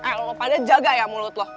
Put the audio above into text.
eh lo padahal jaga ya mulut lo